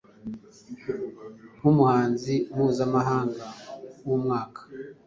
nk’umuhanzi mpuzamahanga w’umwaka